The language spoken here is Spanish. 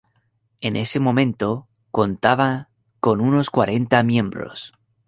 En ese momento contaba con unos cuarenta miembros.